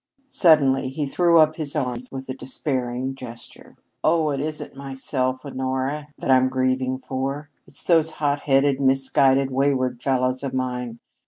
Suddenly he threw up his arms with a despairing gesture. "Oh, it isn't myself, Honora, that I'm grieving for! It's those hot headed, misguided, wayward fellows of mine!